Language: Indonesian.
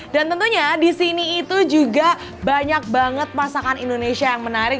dan tentunya di sini itu juga banyak banget masakan indonesia yang menarik